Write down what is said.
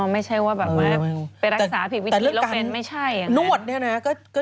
ไม่ใช่ว่าแบบว่าไปรักษาผิดวิธีแล้วเป็นไม่ใช่